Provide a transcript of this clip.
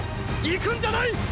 逝くんじゃない！！